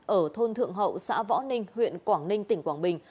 ở thôn thượng hậu xã võ ninh huyện quảng ninh tỉnh quảng bình